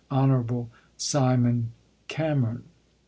Hon. Simon Cameron.